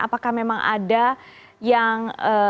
apakah memang ada yang